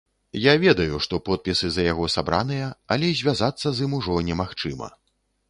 Я ведаю, што подпісы за яго сабраныя, але звязацца з ім ужо немагчыма.